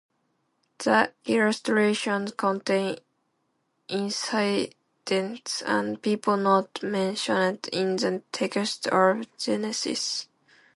The illustrations contain incidents and people not mentioned in the text of Genesis.